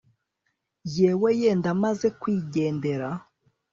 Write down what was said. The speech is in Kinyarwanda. jyewe yenda maze kwigendera